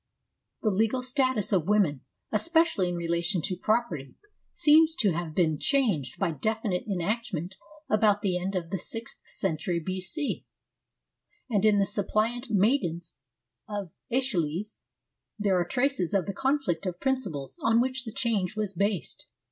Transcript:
The legal status of women, especially in relation to property, seems to have been I ATHENS IN THE FIFTH CENTURY 59 changed by definite enactment about the end of the sixth century B.C., and in the Suppliant Maidens of iEschylus there are traces of the conflict of principles on which the change was based.